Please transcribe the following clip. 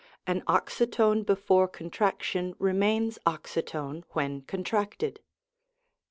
An oxytone before contraction remains oxy tone when contracted.